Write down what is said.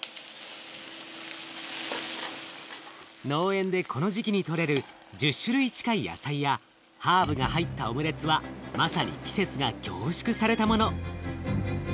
農園でこの時期にとれる１０種類近い野菜やハーブが入ったオムレツはまさに季節が凝縮されたもの。